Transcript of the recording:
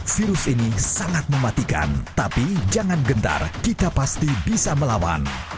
virus ini sangat mematikan tapi jangan gentar kita pasti bisa melawan